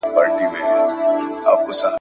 چي مېړه وي هغه تل پر یو قرار وي ,